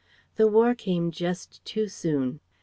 The War came just too soon.